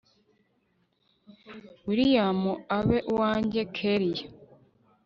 william abe uwanjye kellia